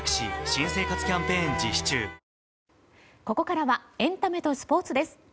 ここからはエンタメとスポーツです。